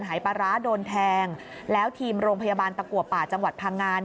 หายปลาร้าโดนแทงแล้วทีมโรงพยาบาลตะกัวป่าจังหวัดพังงา